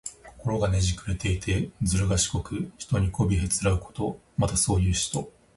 心がねじくれていて、ずるがしこく、人にこびへつらうこと。また、そういう人。